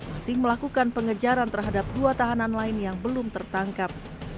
asing melakukan pengejaran terhadap dua tahanan lain yang belum tertangkap